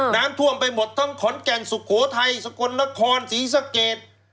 น้ำท่วมไปหมดทั้งขอนแก่นสุโขทัยสกลนครศรีสะเกด